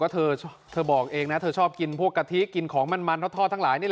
เธอบอกเองนะเธอชอบกินพวกกะทิกินของมันทอดทั้งหลาย